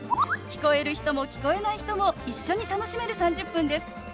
聞こえる人も聞こえない人も一緒に楽しめる３０分です。